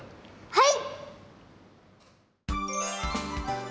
はい！